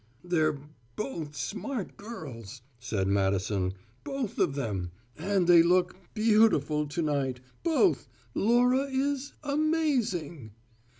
"They're both smart girls," said Madison, "both of them. And they look beautiful, to night both. Laura is amazing!"